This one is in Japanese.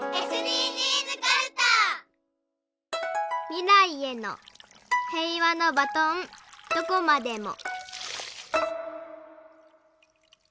「みらいへの平和のバトンどこまでも」。